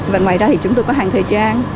và ngoài ra thì chúng tôi có hàng thời trang